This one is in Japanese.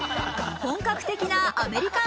本格的なアメリカン